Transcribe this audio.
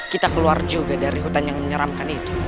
kita keluar juga dari hutan yang menyeramkan itu